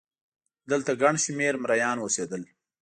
دلته ګڼ شمېر مریان اوسېدل